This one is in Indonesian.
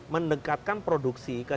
mendekatkan produksi ke